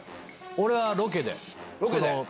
俺はロケで。